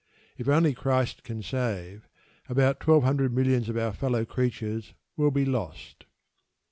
If only Christ can save, about twelve hundred millions of our fellow creatures will be lost.